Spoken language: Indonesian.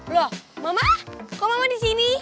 loh mama kau mama di sini